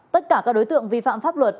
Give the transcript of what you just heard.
tất cả các đối tượng vi phạm pháp luật